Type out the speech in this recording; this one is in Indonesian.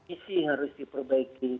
isi harus diperbaiki